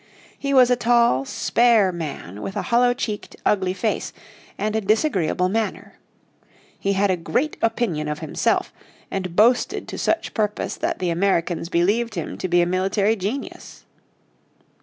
He was a tall, spare man with a hollow cheeked, ugly face, and a disagreeable manner. He had a great opinion of himself, and boasted to such purpose that the Americans believed him to be a military genius.